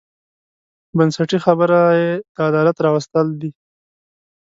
بنسټي خبره یې د عدالت راوستل دي.